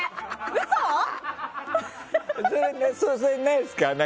それないですか？